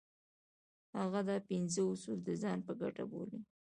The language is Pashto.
هغه دا پنځه اصول د ځان په ګټه بولي.